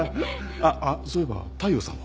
あっそういえば大陽さんは？